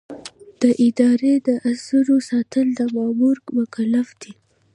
د ادارې د اسرارو ساتل د مامور مکلفیت دی.